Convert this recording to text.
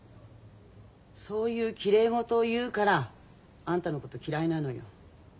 そういうきれい事を言うからあんたのこと嫌いなのよ。